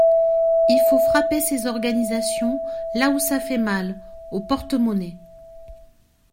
Il faut frapper ces organisations là où ça fait mal, au porte-monnaie.